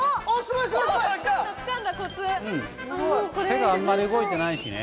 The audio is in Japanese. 手があんまり動いてないしね。